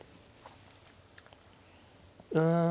うん。